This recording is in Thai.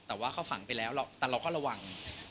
แต่ว่าเขาฝังไปแล้วแต่เราก็ระวัง